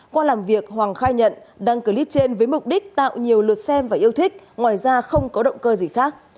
qua làm việc hoàng khai nhận đăng clip trên với mục đích tạo nhiều lượt xem và yêu thích ngoài ra không có động cơ gì khác